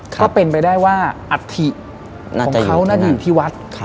ก็เป็นไปได้ว่าอัฐิของเขาน่าจะอยู่ที่วัด